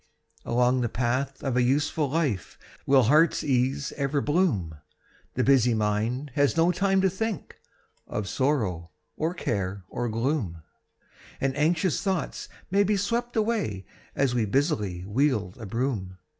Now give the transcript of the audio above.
Along the path of a useful life Will heart's ease ever bloom; The busy mind has no time to think Of sorrow, or care, or gloom; And anxious thoughts may be swept away As we busily wield a broom.